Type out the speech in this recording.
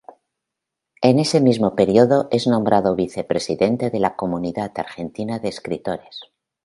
En ese mismo período es nombrado Vicepresidente de la Comunidad Argentina de Escritores.